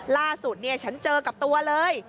ล่าสุดฉันเจอกับตัวเลย